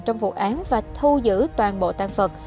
trong vụ án và thu giữ toàn bộ tan vật